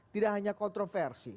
tidak hanya kontroversi